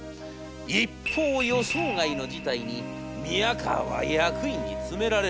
一方予想外の事態に宮河は役員に詰められる。